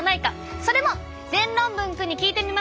それも全論文くんに聞いてみましょう。